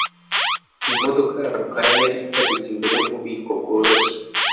Imodoka ya rukara yari iparitse imbere yububiko bworoshye .